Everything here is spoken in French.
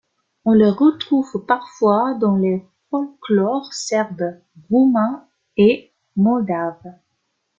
On le retrouve parfois dans les folklores serbe, roumain et moldave.